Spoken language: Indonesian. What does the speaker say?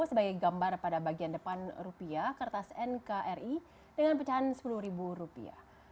sebagai gambar pada bagian depan rupiah kertas nkri dengan pecahan sepuluh ribu rupiah